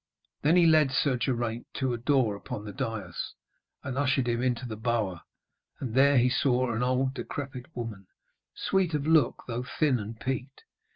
Then he led Sir Geraint to a door upon the dais, and ushered him into the bower, and there he saw an old decrepit woman, sweet of look though thin and peaked.